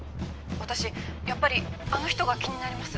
「私やっぱりあの人が気になります」